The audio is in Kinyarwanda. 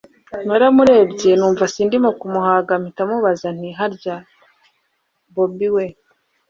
naramurebye numva sindimo kumuhaga mpita mubaza nti harya bobi we